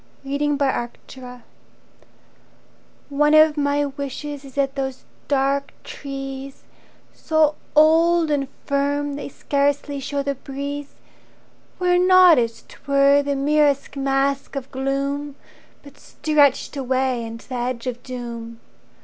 Reluctance Into My Own ONE of my wishes is that those dark trees, So old and firm they scarcely show the breeze, Were not, as 'twere, the merest mask of gloom, But stretched away unto the edge of doom.